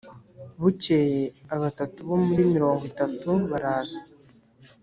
Bukeye abatatu bo muri mirongo itatu baraza